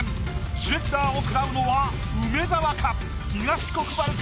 シュレッダーをくらうのは梅沢か？